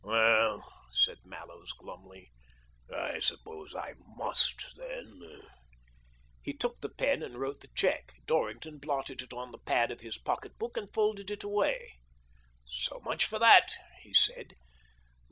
Well," said Mallows glumly, " I suppose I must, then." He took the pen and wrote the cheque. Dorrington blotted it on the pad of his pocket book and folded it away. " So much for that !" he said.